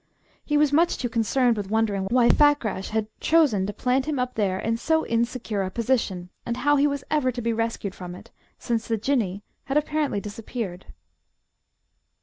He was much too concerned with wondering why Fakrash had chosen to plant him up there in so insecure a position, and how he was ever to be rescued from it, since the Jinnee had apparently disappeared.